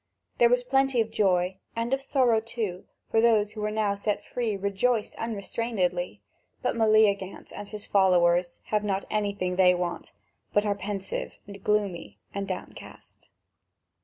There was plenty of joy, and of sorrow too; those who were now set free rejoiced unrestrainedly; but Meleagant and his followers have not anything they want, but are pensive, gloomy, and downcast.